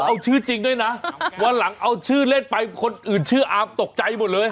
เอาชื่อจริงด้วยนะวันหลังเอาชื่อเล่นไปคนอื่นชื่ออาร์มตกใจหมดเลย